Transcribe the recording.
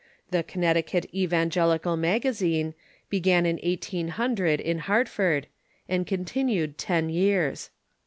The Connecticut Evangelical Magctzine began in 1800 in Hartford, and continued ten years.